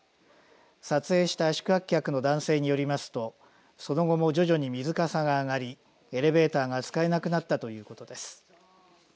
撮影した宿泊客の男性によりますとその後も徐々に水かさが上がりエレベーターが使えなくなったということです。